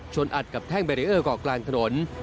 อัดกับแท่งเบรีเออร์เกาะกลางถนน